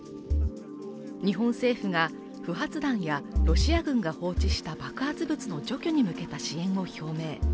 日本政府が不発弾やロシア軍が放置した爆発物の除去に向けた支援を表明。